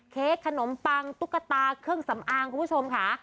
เค้กขนมปังตุ๊กตาเครื่องสำอางคุณผู้ชมค่ะ